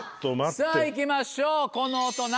さぁ行きましょう。